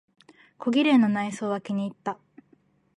小綺麗な内装は気にいった。